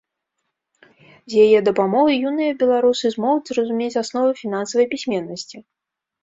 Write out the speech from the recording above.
З яе дапамогай юныя беларусы змогуць зразумець асновы фінансавай пісьменнасці.